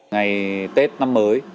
ngày tết năm mới